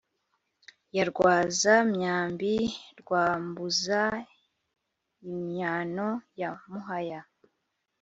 ya rwaza-myambi rwa mbuz-imyano, ya muhaya